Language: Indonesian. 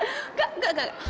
enggak enggak enggak